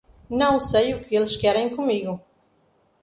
Não sei o que eles querem comigo